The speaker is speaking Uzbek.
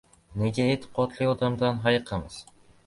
Nega e’tiqodli odamdan hayiqamiz?